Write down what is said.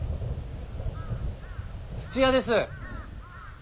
土屋です。